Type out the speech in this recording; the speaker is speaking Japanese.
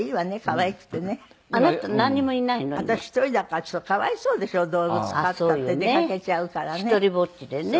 私１人だからかわいそうでしょ動物飼ったって出かけちゃうからね。